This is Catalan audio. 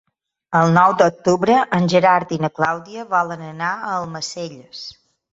El nou d'octubre en Gerard i na Clàudia volen anar a Almacelles.